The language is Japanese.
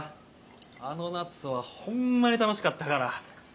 あの夏はホンマに楽しかったから。